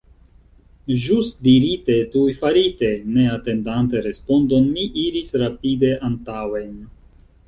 Ĵus dirite, tuj farite: ne atendante respondon, mi iris rapide antaŭen.